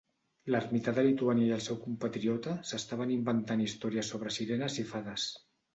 L'ermità de Lituània i el seu compatriota s'estaven inventant històries sobre sirenes i fades.